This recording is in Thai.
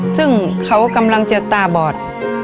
ซึ่งเขากำลังจะตาบอด